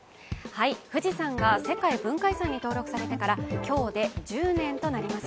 富士山が世界文化遺産に登録されてから今日で１０年となります。